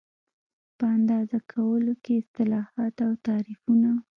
په اندازه کولو کې اصطلاحات او تعریفونه